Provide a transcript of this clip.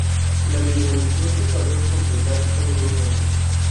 La demolición se tardó en completar solo dos años.